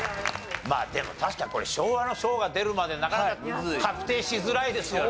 でも確かにこれ昭和の「昭」が出るまでなかなか確定しづらいですよね。